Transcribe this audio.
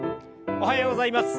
おはようございます。